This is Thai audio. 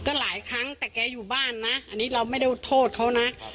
ก็หลายครั้งแต่แกอยู่บ้านนะอันนี้เราไม่ได้โทษเขานะ